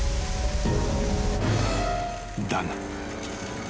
［だが］